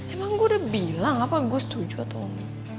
emang gue udah bilang apa gue setuju atau enggak